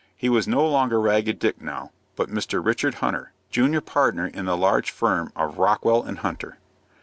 He was no longer Ragged Dick now, but Mr. Richard Hunter, junior partner in the large firm of Rockwell & Hunter.